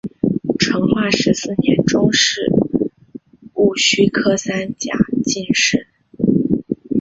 成化十四年中式戊戌科三甲进士。